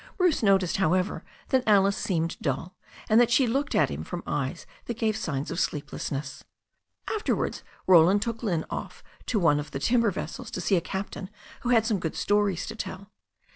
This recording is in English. Bruce noticed, however, that Alice seemed dull, and that she looked at him from eyes that gave signs of sleeplessness. Afterwards Roland took Lynne off to one of the timber vessels to see a captain who had some good stories to tell.